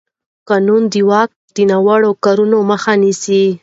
قانون د واک د ناوړه کارونې مخه نیسي.